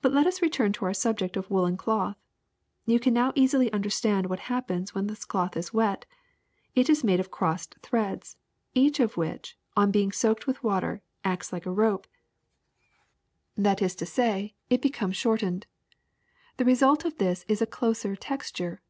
But let us return to our subject of woolen cloth. You can now easily understand what happens when this cloth is wet. It is made of crossed threads, each one of which, on being soaked with water, acts like a rope, that is to say it becomes WOOLEN CLOTH 45 shortened. The result of this is a closer texture.